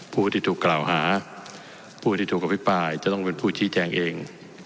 ผู้ที่ถูกกล่าวหาผู้ที่ถูกอภิปรายจะต้องเป็นผู้ชี้แจงเอง